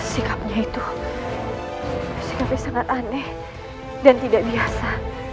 sikapnya itu sikapnya sangat aneh dan tidak biasa